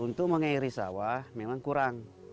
untuk mengairi sawah memang kurang